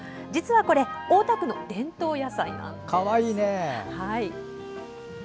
実はこれ大田区の伝統野菜なんです。